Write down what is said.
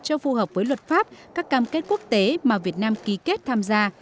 cho phù hợp với luật pháp các cam kết quốc tế mà việt nam ký kết tham gia